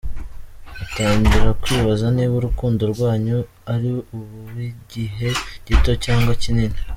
Atangira kwibaza niba urukundo rwanyu ari uw’igihe gito cyangwa kinini.